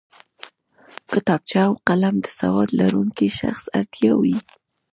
کتابچه او قلم د سواد لرونکی شخص اړتیا وي